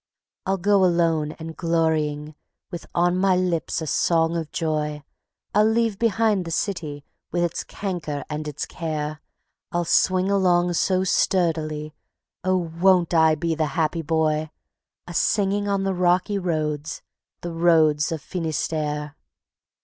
I'll go alone and glorying, with on my lips a song of joy; I'll leave behind the city with its canker and its care; I'll swing along so sturdily oh, won't I be the happy boy! A singing on the rocky roads, the roads of Finistère.